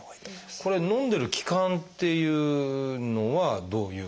これのんでる期間っていうのはどういう？